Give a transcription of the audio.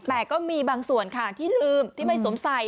แต่ก็มีบางส่วนค่ะที่ลืมที่ไม่สวมใส่